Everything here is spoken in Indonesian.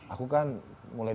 aku kan mulai